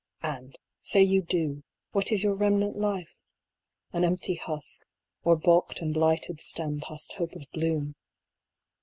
And, say you do, what is your remnant life ? an empty husk, or balked and blighted stem past hope of bloom.